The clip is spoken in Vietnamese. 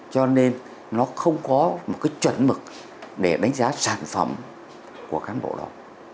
cho nên nó không có một cái chuẩn mực để đánh giá sản phẩm của cán bộ đó